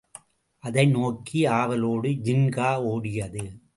அதை நோக்கி ஆவலோடு ஜின்கா ஓடியது.